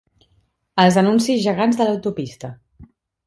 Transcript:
Els anuncis gegants de l'autopista.